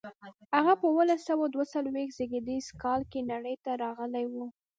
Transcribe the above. هغه په اوولس سوه دوه څلویښت زېږدیز کال کې نړۍ ته راغلی و.